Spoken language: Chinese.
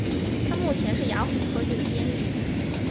他目前是雅虎科技的编辑。